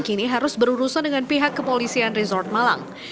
kini harus berurusan dengan pihak kepolisian resort malang